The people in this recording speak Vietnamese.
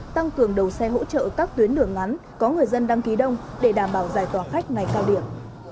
tăng cường đầu xe hỗ trợ các tuyến đường ngắn có người dân đăng ký đông để đảm bảo giải tỏa khách ngày cao điểm